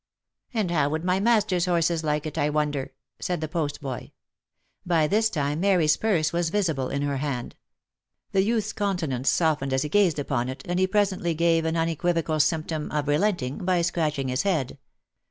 " And how would my master's horses like it I wonder ?" said the post boy. By this time Mary's purse was visible in her hand. The youth's countenance softened as he gazed upon it, and he presently gave an unequivocal symptom of relenting, by scratching his head.